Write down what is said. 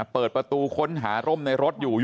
เปิดประตูค้นหาร่มในรถอยู่